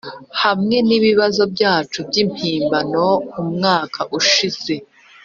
hamwe nibibazo byacu byimpimbano umwaka ushize,